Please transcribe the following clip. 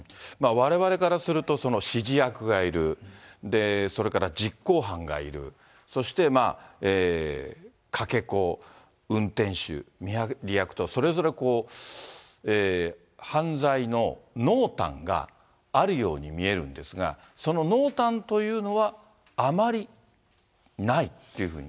われわれからすると、その指示役がいる、それから実行犯がいる、そしてかけ子、運転手、見張り役と、それぞれ犯罪の濃淡があるように見えるんですが、その濃淡というのは、あまりないっていうふうに？